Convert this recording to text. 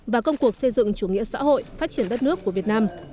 và công cuộc xây dựng chủ nghĩa xã hội phát triển đất nước của việt nam